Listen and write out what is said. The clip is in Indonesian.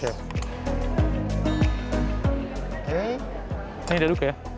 fellah saya headstore trampol